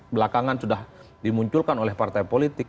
belakangan sudah dimunculkan oleh partai politik